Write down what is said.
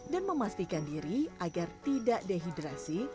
dan memastikan diri agar tidak dehidrasi